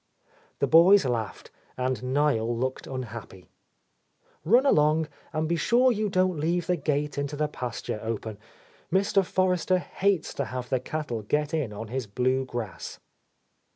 The boys laughed, and Niel looked unhappy. "Run along, and be sure you don't leave the gate into the pasture open. Mr. Forrester hates to have the cattle get in on his blue grass."